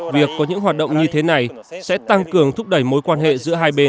việc có những hoạt động như thế này sẽ tăng cường thúc đẩy mối quan hệ giữa hai bên